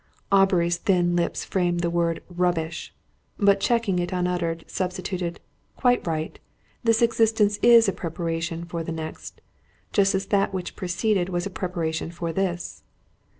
Aubrey's thin lips framed the word "Rubbish!" but, checking it unuttered, substituted: "Quite right. This existence is a preparation for the next; just as that which preceded was a preparation for this."